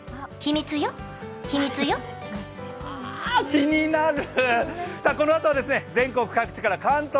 気になる！！